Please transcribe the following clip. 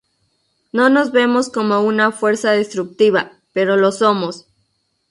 No nos vemos como una fuerza destructiva, pero lo somos".